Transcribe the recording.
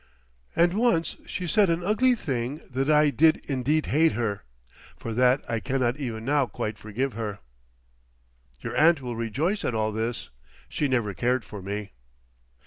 And once she said an ugly thing that I did indeed hate her for that I cannot even now quite forgive her. "Your aunt will rejoice at all this. She never cared for me..."